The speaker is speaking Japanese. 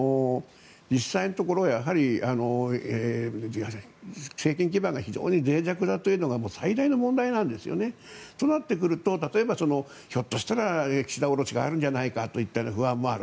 実際のところ、政権基盤が非常にぜい弱だというのが最大の問題なんですね。となってくると例えばひょっとしたら岸田降ろしがあるんじゃないかといったような不安もある。